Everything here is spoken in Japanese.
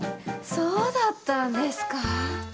そうだったんですかぁ。